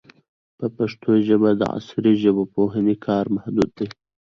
په پښتو ژبه د عصري ژبپوهنې کار محدود دی.